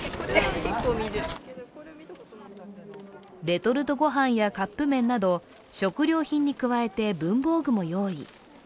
レトルトごはんやカップめんなど食料品に加えて、文房具も用意。